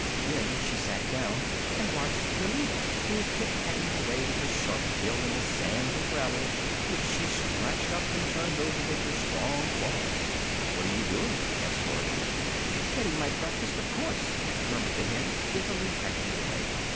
Then she sat down and watched Billina, who was pick pecking away with her sharp bill in the sand and gravel, which she scratched up and turned over with her strong claws. "What are you doing?" asked Dorothy. "Getting my breakfast, of course," murmured the hen, busily pecking away.